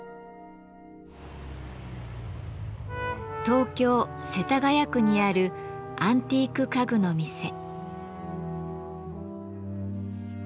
東京・世田谷区にあるアンティーク家具の店。